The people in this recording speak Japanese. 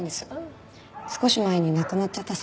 少し前に亡くなっちゃったそうで。